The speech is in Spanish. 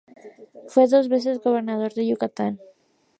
Fue dos veces gobernador de Yucatán.